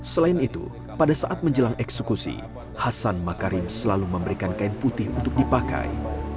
selain itu pada saat menjelang eksekusi hasan makarim selalu memberikan kain putih untuk dipakai